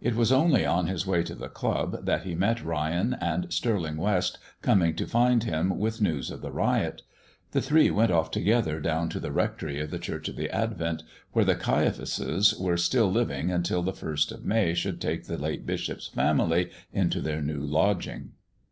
It was only on his way to the club that he met Ryan and Stirling West coming to find him with news of the riot. The three went off together down to the rectory of the Church of the Advent, where the Caiaphases were still living until the 1st of May should take the late bishop's family into their new lodgings.